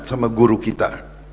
sama guru kita